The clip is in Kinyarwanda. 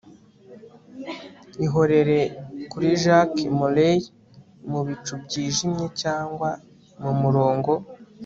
Ihorere kuri Jacques Molay Mu bicu byijimye cyangwa mumurongo